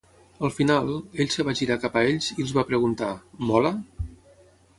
Al final, ell es va girar cap a ells i els va preguntar: "Mola?"